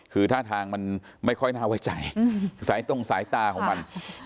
คือท่าทางมันไม่ค่อยน่าไว้ใจสายตรงสายตาของมัน